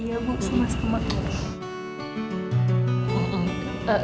iya bu semangat kemati